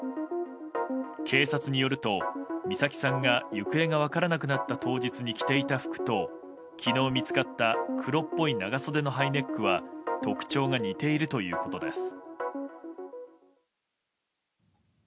警察によると、美咲さんが行方が分からなくなった当日に着ていた服と昨日見つかった黒っぽい長袖のハイネックは特徴が似ているということです。